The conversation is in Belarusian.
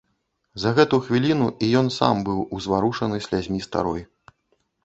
За гэту хвіліну і ён сам быў узварушаны слязьмі старой.